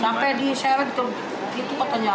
sampai diseret gitu gitu katanya